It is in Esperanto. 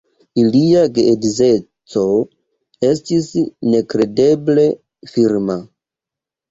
Ilia geedzeco estis nekredeble firma.